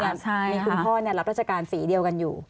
มีคุณพ่อรับราชการสีเดียวกันอยู่